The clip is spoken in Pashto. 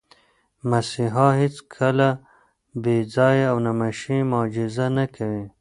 مسیحا هیڅکله بېځایه او نمایشي معجزه نه کوي.